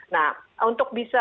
nah untuk bisa